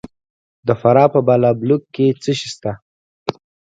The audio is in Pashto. د فراه په بالابلوک کې څه شی شته؟